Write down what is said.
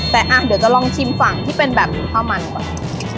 แต่เดี๋ยวจะลองชิมฝั่งที่เป็นแบบข้าวมันก่อน